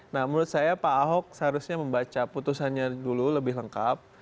nah menurut saya pak ahok seharusnya membaca putusannya dulu lebih lengkap